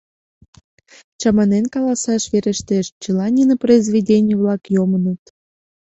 Чаманен каласаш верештеш, чыла нине произведений-влак йомыныт.